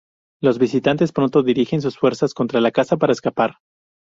Los visitantes pronto dirigen sus fuerzas contra la casa para escapar.